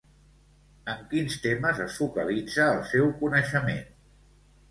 En quins temes es focalitza el seu coneixement?